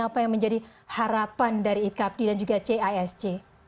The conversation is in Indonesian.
apa yang menjadi harapan dari icapdi dan juga cisg